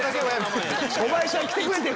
小林さん来てくれてる！